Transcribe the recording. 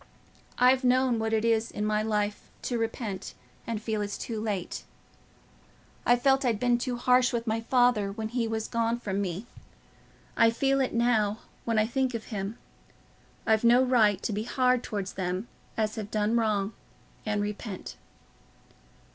I've known what it is in my life to repent and feel it's too late. I felt I'd been too harsh to my father when he was gone from me—I feel it now, when I think of him. I've no right to be hard towards them as have done wrong and repent."